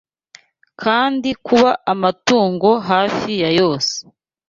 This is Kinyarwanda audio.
kandi kuba amatungo hafi ya yose